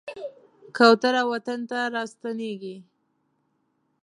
کوتره وطن ته راستنېږي.